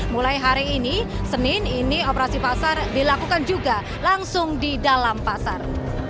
mulai hari ini senin ini operasi pasar dilakukan juga langsung di dalam pasar